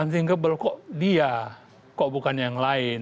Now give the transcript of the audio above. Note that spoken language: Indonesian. ustable kok dia kok bukan yang lain